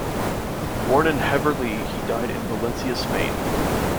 Born in Heverlee, he died in Valencia, Spain.